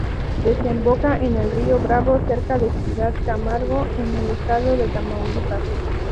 Desemboca en el río Bravo, cerca de Ciudad Camargo, en el estado de Tamaulipas.